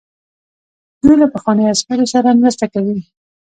دوی له پخوانیو عسکرو سره مرسته کوي.